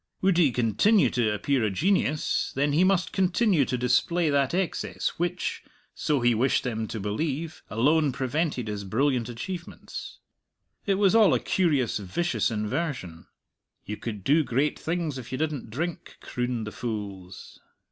Would he continue to appear a genius, then he must continue to display that excess which so he wished them to believe alone prevented his brilliant achievements. It was all a curious, vicious inversion. "You could do great things if you didn't drink," crooned the fools.